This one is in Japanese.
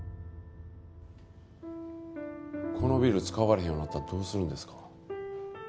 このビル使われへんようになったらどうするんですか？